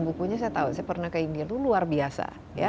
bukunya saya tahu saya pernah ke inggris luar biasa